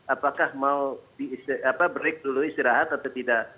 apakah mau break dulu istirahat atau tidak